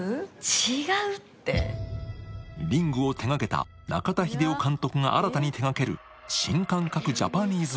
違うって「リング」を手がけた中田秀夫監督が新たに手がける新感覚ジャパニーズ